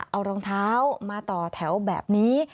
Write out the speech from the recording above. เอารองเท้ามาต่อแถวแบบนี้